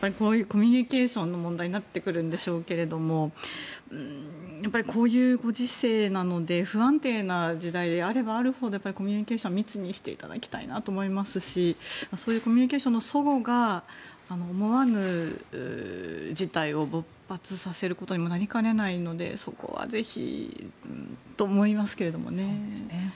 コミュニケーションの問題になってくるんでしょうけどこういうご時世なので不安定な時代であればあるほどコミュニケーションを密にしていただきたいなと思いますしそういうコミュニケーションの齟齬が思わぬ事態を勃発させることにもなりかねないのでそこはぜひと思いますけどね。